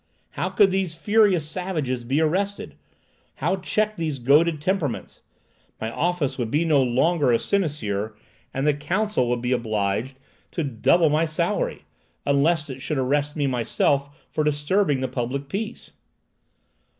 "How could these furious savages be arrested? How check these goaded temperaments? My office would be no longer a sinecure, and the council would be obliged to double my salary— unless it should arrest me myself, for disturbing the public peace!"